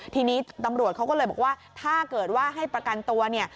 ทีนี้ตำรวจเขาก็เลยบอกว่าถ้าเกิดว่าให้ประกันตัวเนี่ย